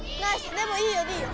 でもいいよいいよ。